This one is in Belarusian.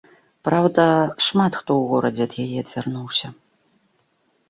Праўда, шмат хто ў горадзе ад яе адвярнуўся.